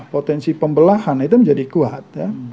potensi pembelahan itu menjadi kuat ya